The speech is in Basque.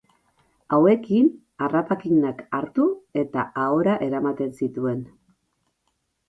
Hauekin harrapakinak hartu eta ahora eramaten zituen.